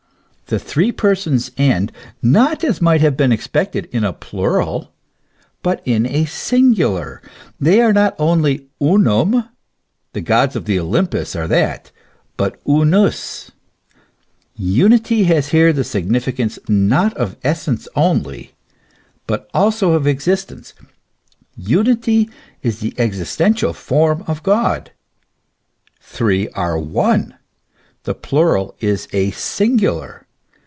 The three Per sons end, not, as might have been expected, in a plural, but in a singular ; they are not only Unum the gods of Olympus are that but Unus. Unity has here the significance not of essence only, but also of existence ; unity is the existential form of God. Three are one : the plural is a singular.